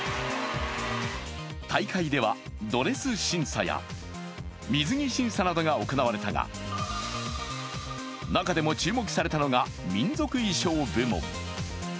大会ではドレス審査や水着審査などが行われたが、中でも注目されたのが民族衣装部門。